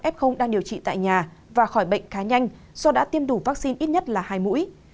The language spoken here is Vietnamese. chín mươi chín f đang điều trị tại nhà và khỏi bệnh khá nhanh do đã tiêm đủ vaccine ít nhất là hai mũi